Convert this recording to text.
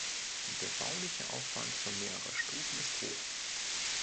Der bauliche Aufwand für mehrere Stufen ist hoch.